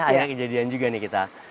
ini kejadian juga nih kita